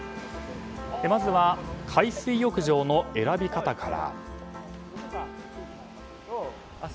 まずは海水浴場の選び方から。